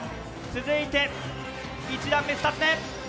続いて１段目２つ目。